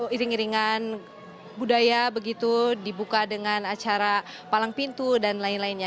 iring iringan budaya begitu dibuka dengan acara palang pintu dan lain lainnya